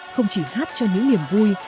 không chỉ hát cho những niềm vui